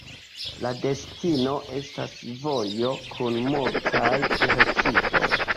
La destino estas vojo kun multaj direktoj.